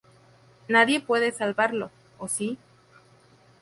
Nadie puede salvarlo...¿O sí?